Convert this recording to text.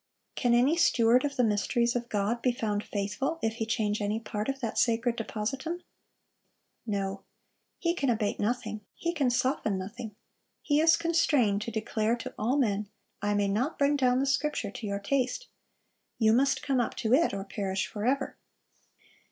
Can any steward of the mysteries of God be found faithful if he change any part of that sacred depositum? No. He can abate nothing, he can soften nothing; he is constrained to declare to all men, 'I may not bring down the Scripture to your taste. You must come up to it, or perish forever.